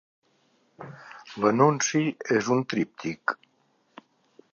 L'anunci és un tríptic.